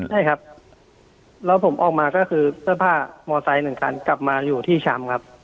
ใช่ครับแล้วผมออกมาก็คือเสื้อผ้ามอไซค์หนึ่งคันกลับมาอยู่ที่แชมป์ครับ